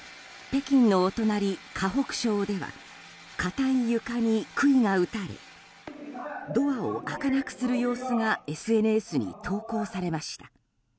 北京のお隣・河北省では硬い床に杭が打たれドアを開けなくする様子がＳＮＳに投稿されました。